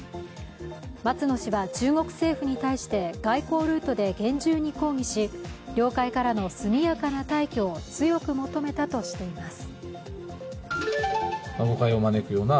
松野氏は、中国政府に対して外交ルートで厳重に抗議し領海からの速やかな退去を強く求めたとしています。